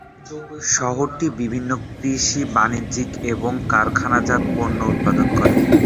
শহরটি বিভিন্ন কৃষি, বাণিজ্যিক এবং কারখানাজাত পণ্য উৎপাদন করে।